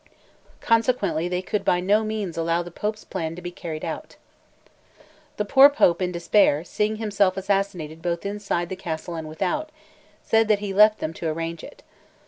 Consequently they could by no means allow the Pope's plan to be carried out. The poor Pope, in despair, seeing himself assassinated both inside the castle and without, said that he left them to arrange it.